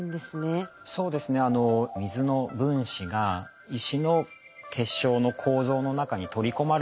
そうですね水の分子が石の結晶の構造の中に取り込まれると。